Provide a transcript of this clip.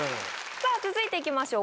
さぁ続いていきましょう